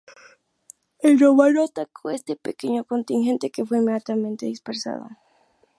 El romano atacó a este pequeño contingente, que fue inmediatamente dispersado.